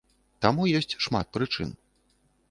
Таму ёсць шмат прычын.